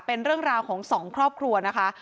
เป็นเรื่องราวของสองครอบครัวนะคะ